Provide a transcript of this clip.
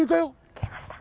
消えました。